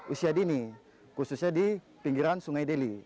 usia dini khususnya di pinggiran sungai deli